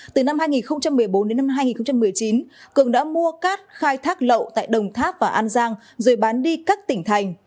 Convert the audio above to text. từ năm hai nghìn một mươi bốn đến năm hai nghìn một mươi chín cường đã mua cát khai thác lậu tại đồng tháp và an giang rồi bán đi các tỉnh thành